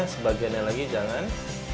sebagiannya lagi jangan